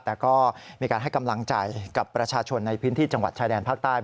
แต่ก็มีการให้กำลังใจกับประชาชนในพื้นที่จังหวัดชายแดนภาคใต้